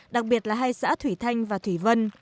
đặc biệt là hai xã thủy thanh và thủy vân